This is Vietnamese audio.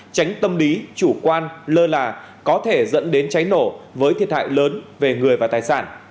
tránh tâm lý chủ quan lơ là có thể dẫn đến cháy nổ với thiệt hại lớn về người và tài sản